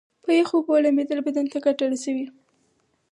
په یخو اوبو لمبیدل بدن ته ګټه رسوي.